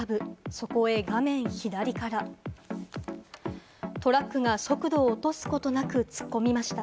そこへ画面左から、トラックが速度を落とすことなく突っ込みました。